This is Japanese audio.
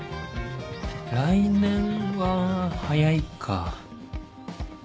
来年は早いか